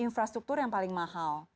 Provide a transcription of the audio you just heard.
infrastruktur yang paling mahal